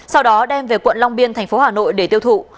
sau đó đem về quận long biên thành phố hà nội để tiêu thụ